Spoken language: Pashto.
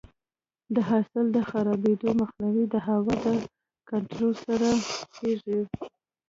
د حاصل د خرابېدو مخنیوی د هوا د کنټرول سره کیږي.